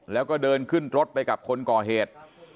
แล้วก็เดินขึ้นรถไปกับคนก่อเหตุ